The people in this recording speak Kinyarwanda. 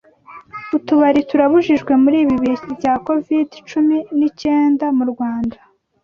Utubari turabujijwe muri ibi bihe bya covid cumi n'icyenda mu Rwanda